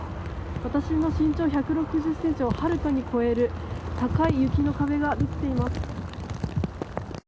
私の身長１６０ｃｍをはるかに超える高い雪の壁ができています。